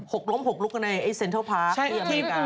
หกล้มหกลุกกันในเซ็นเตอร์พาร์คที่อเมริกา